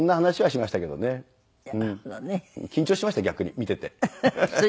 緊張しました逆に見ていて。